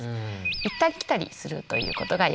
行ったり来たりするということがよくありますね。